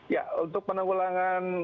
ya untuk penanggulangan